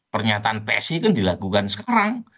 pernyataan psi kan dilakukan sekarang